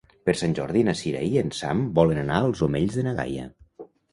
Per Sant Jordi na Sira i en Sam volen anar als Omells de na Gaia.